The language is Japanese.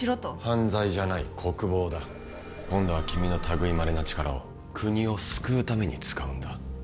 犯罪じゃない国防だ今度は君のたぐいまれな力を国を救うために使うんだ